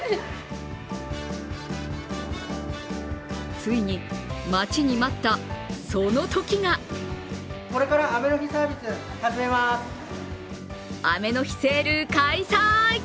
ついに、待ちに待ったそのときが雨の日セール開催！